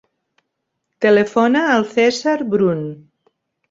Telefona al Cèsar Brun.